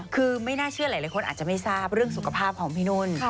คือไม่น่าเชื่อหลายคนอาจจะไม่ทราบเรื่องสุขภาพของพี่นุ่น